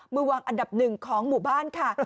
มือวางอันดับหนึ่งของหมู่บ้านค่ะ